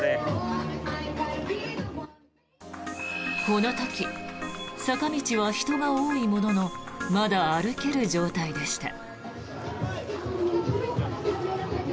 この時、坂道は人が多いもののまだ歩ける状態でした。